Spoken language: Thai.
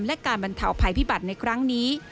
และการบรรเทาภัยพิบัติในครั้งนี้